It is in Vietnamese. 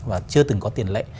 và chưa từng có tiền lệ